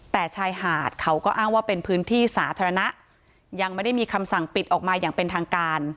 แต่ชายหาดเขาก็อ้างว่าเป็นพื้นที่สาธารณะยังไม่ได้มีคำสั่งปิดออกมาอย่างเป็นทางการ